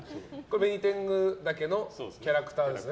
ベニテングダケのキャラクターですね。